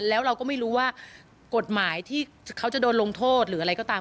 แล้วเราก็ไม่รู้ว่ากฎหมายที่เขาจะโดนลงโทษหรืออะไรก็ตาม